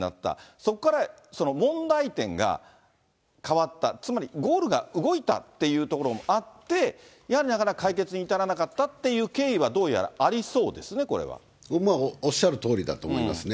そこから、その問題点が変わった、つまりゴールが動いたっていうところもあって、やはりなかなか解決に至らなかったっていう経緯はどうやらありそおっしゃるとおりだと思いますね。